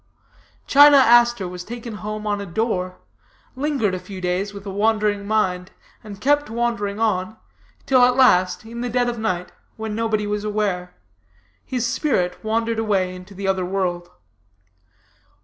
China Aster was taken home on a door; lingered a few days with a wandering mind, and kept wandering on, till at last, at dead of night, when nobody was aware, his spirit wandered away into the other world.